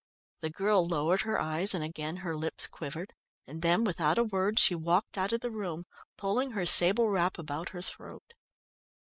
The girl lowered her eyes and again her lips quivered, and then without a word she walked out of the room, pulling her sable wrap about her throat.